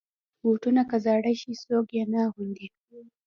بوټونه که زوړ شي، څوک یې نه اغوندي.